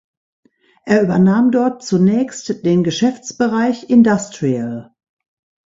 Er übernahm dort zunächst den Geschäftsbereich Industrial.